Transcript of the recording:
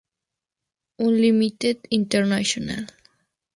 Unlimited International.